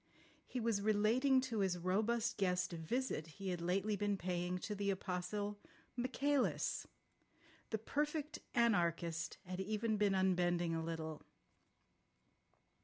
He was relating to his robust guest a visit he had lately been paying to the Apostle Michaelis. The Perfect Anarchist had even been unbending a little.